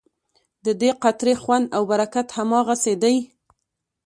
ددې قطرې خوند او برکت هماغسې دی.